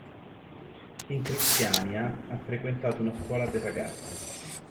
In Christiania ha frequentato una scuola per ragazze.